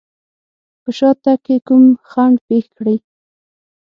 په شاتګ کې کوم خنډ پېښ کړي.